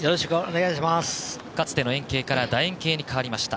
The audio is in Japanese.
かつての円形からだ円形に変わりました。